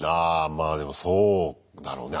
まあでもそうだろうね。